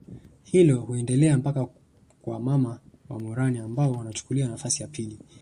Hilo huendelea mpaka kwa mama wa morani ambao wanachukuwa nafasi ya pili